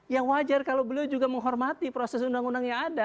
ya wajar kalau beliau juga menghormati proses undang undangnya ada